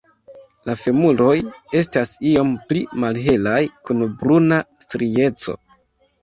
La femuroj estas iom pli malhelaj kun bruna strieco.